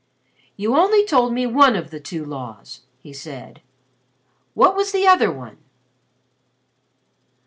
"You only told me one of the two laws," he said. "What was the other one?"